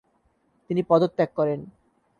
তিনি পদত্যাগ করেন।